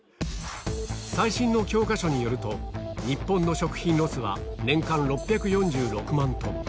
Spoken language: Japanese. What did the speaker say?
最新の教科書によると、日本の食品ロスは年間６４６万トン。